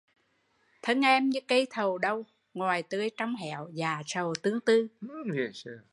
Thân em như cây thầu đâu, ngoài tươi trong héo, dạ sầu tương tư